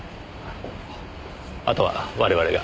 あとは我々が。